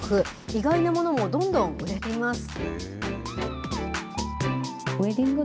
意外なものもどんどん売れています。